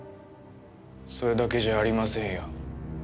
それだけじゃありませんよ。